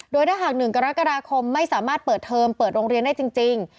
โดยถ้าหาก๑กรกฎาคมไม่สามารถเปิดเทอมเปิดโรงเรียนได้จริง